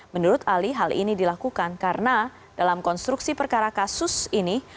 menurut ali hal ini dilakukan karena dalam konstruksi perkara kasus ini